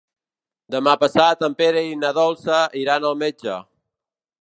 Demà passat en Pere i na Dolça iran al metge.